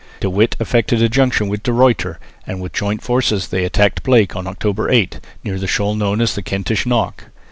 De With effected a junction with De Ruyter and with joint forces they attacked Blake on October 8, near the shoal known as the Kentish Knock.